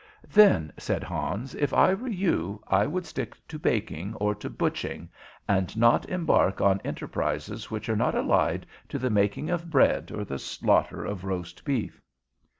"Then," said Hans, "if I were you, I would stick to baking or to butching, and not embark on enterprises which are not allied to the making of bread or the slaughter of roast beef."